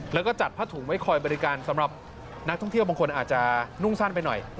แล้วก็จัดผ้าถุงไว้คอยบริการสำหรับนักท่องเที่ยวบางคนอาจจะนุ่งสั้นไปหน่อย